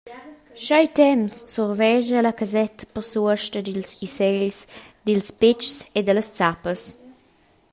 Tschei temps survescha la casetta per suosta dils isegls, dils petgs e dallas zappas.